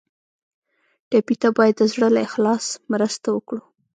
ټپي ته باید د زړه له اخلاص مرسته وکړو.